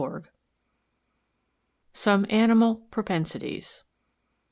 120 SOME ANIMAL PROPENSITIES.